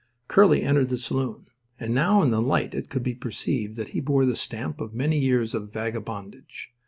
Curly entered the saloon. And now in the light it could be perceived that he bore the stamp of many years of vagabondage.